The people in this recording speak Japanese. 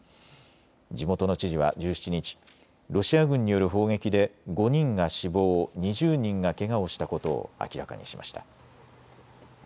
地元の知事は１７日、ロシア軍による砲撃で５人が死亡、２０人がけがをしたことを明らかにしました。